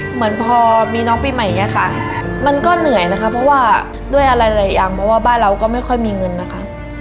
เหมือนพอมีน้องปีใหม่อย่างนี้ค่ะมันก็เหนื่อยนะคะเพราะว่าด้วยอะไรหลายอย่างเพราะว่าบ้านเราก็ไม่ค่อยมีเงินนะคะ